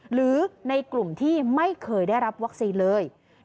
หรือในกลุ่มที่ไม่เคยได้รับวัคซีนเลย